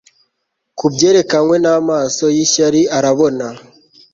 kubyerekanwe namaso yishyari arabona